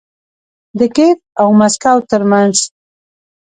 د کیف او مسکو ترمنځ